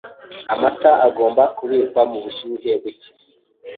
Amata agomba kubikwa ku bushyuhe buke.